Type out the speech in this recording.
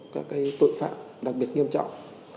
các cái tội phạm đặc biệt nghiêm trọng